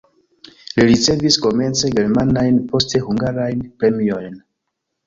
Li ricevis komence germanajn, poste hungarajn premiojn.